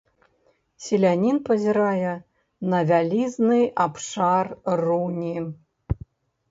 Селянін пазірае на вялізны абшар руні.